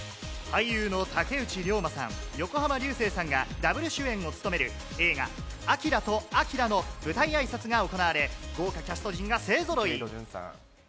俳優の竹内涼真さん、横浜流星さんがダブル主演を務める映画、アキラとあきらの舞台あいさつが行われ、豪華キャスト陣が勢ぞろい。